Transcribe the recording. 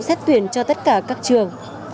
xét tuyển cho tất cả các trường